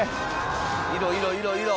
いろいろいろ。